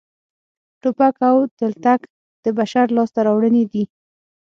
ټوپک او تلتک د بشر لاسته راوړنې دي